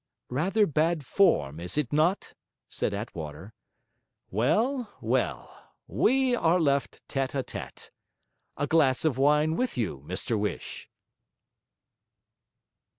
'Rather bad form, is it not?' said Attwater. 'Well, well, we are left tete a tete. A glass of wine with you, Mr Whish!'